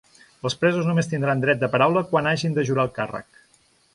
Els presos només tindran dret de paraula quan hagin de jurar el càrrec.